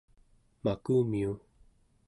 makumiu